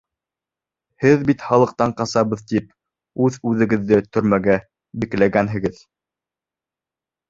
Һеҙ бит халыҡтан ҡасабыҙ тип үҙ-үҙегеҙҙе төрмәгә бикләгәнһегеҙ!